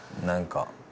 何か。